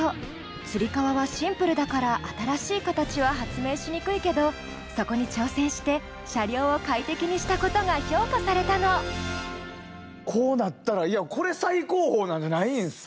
つり革はシンプルだから新しいカタチは発明しにくいけどそこに挑戦して車両を快適にしたことが評価されたのこうなったらこれ最高峰なんじゃないんですか？